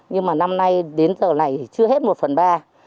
nhưng mà năm nay đến giờ này chưa hết một phần ba